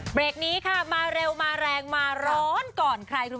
เบรกนี้ค่ะมาเร็วมาแรงมาร้อนก่อนใครรู้